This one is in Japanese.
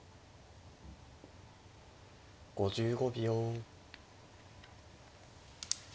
５５秒。